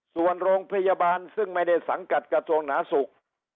ส่วนโรงพยาบาลซึ่งไม่ได้สังกัดกระทรวงหนาสุข